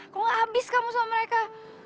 kok nggak habis kamu sama mereka